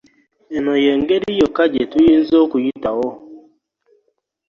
Eno y'engeri yokka gye tuyinza okuyitawo.